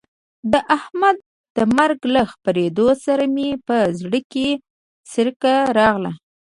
د احمد د مرګ له خبرېدو سره مې په زړه کې څړیکه راغله.